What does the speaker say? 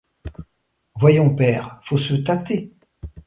Voyons, père, faut se tâter...